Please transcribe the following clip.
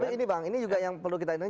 tapi ini bang ini juga yang perlu kita dengar